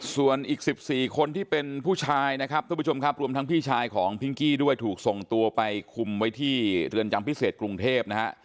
ส่วนอีก๑๔คนที่เป็นผู้ชายนะครับทุกผู้ชมครับรวมทั้งพี่ชายของพิงกี้ด้วยถูกส่งตัวไปคุมไว้ที่เรือนจำพิเศษกรุงเทพนะฮะ